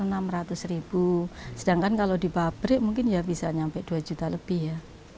sekitar rp enam ratus sedangkan kalau di pabrik mungkin bisa sampai rp dua juta lebih ya